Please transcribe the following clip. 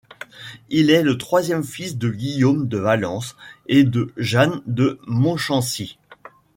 Il est le troisième fils de Guillaume de Valence et de Jeanne de Montchensy.